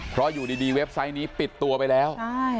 เพราะอยู่ดีเว็บไซต์นี้ปิดตัวไปแล้ว